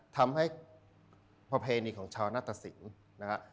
ทำให้ประเพณีของชาวนาตสินนะฮะ